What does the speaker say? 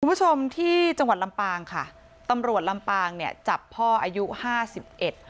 คุณผู้ชมที่จังหวัดลำปางค่ะตำรวจลำปางเนี่ยจับพ่ออายุห้าสิบเอ็ด